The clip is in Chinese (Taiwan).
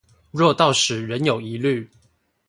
若到時仍有疑慮